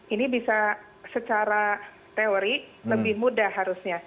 ini bisa secara teori lebih mudah harusnya